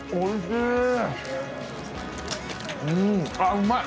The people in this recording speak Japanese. うまい。